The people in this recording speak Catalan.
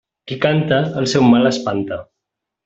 Qui canta, el seu mal espanta.